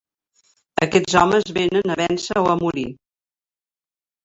Aquests homes vénen a vèncer o morir.